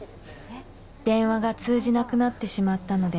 「電話が通じなくなってしまったので」